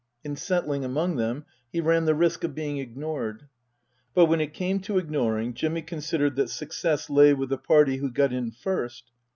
In settling among them he ran the risk of being ignored. But when it came to ignoring, Jimmy considered that success lay with the party who got in first.